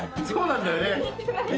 そうなんだよね。